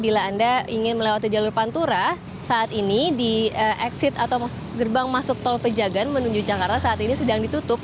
bila anda ingin melewati jalur pantura saat ini di exit atau gerbang masuk tol pejagan menuju jakarta saat ini sedang ditutup